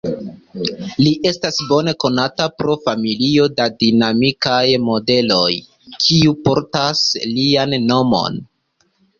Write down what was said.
Li estas bone konata pro familio da dinamikaj modeloj, kiu portas lian nomon.